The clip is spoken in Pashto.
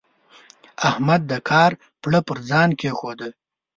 احمد د کار پړه پر ځان کېښوده.